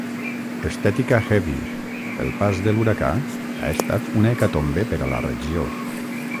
Estètica 'heavy'.El pas de l'huracà ha estat una hecatombe per a la regió.